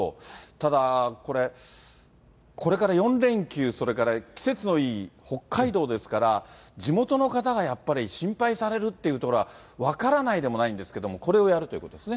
ただ、これ、これから４連休、それから季節のいい北海道ですから、地元の方がやっぱり心配されるっていうところは分からないでもないんですけれども、これをやるということですね。